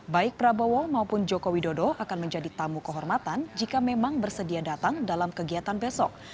baik prabowo maupun joko widodo akan menjadi tamu kehormatan jika memang bersedia datang dalam kegiatan besok